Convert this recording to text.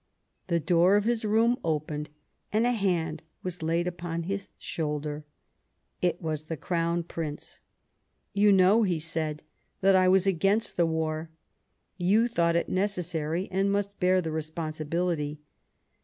The door of his room opened and a hand was laid upon his shoulder ; it was the Crown Prince. " You know," he said, " that I was against the war ; you thought it necessary, and must bear the responsibility.